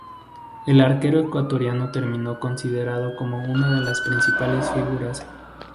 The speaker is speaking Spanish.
El arquero ecuatoriano terminó considerado como una de las principales figuras.